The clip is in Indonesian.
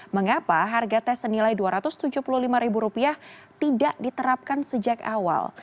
mengapa harga tes senilai rp dua ratus tujuh puluh lima tidak diterapkan sejak awal